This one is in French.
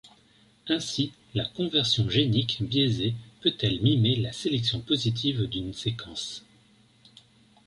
Ainsi la conversion génique biaisée peut-elle mimer la sélection positive d'une séquence.